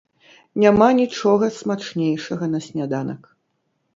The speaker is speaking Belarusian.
Няма нічога смачнейшага на сняданак.